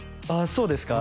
そうですか？